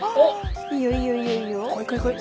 いいよいいよいいよ。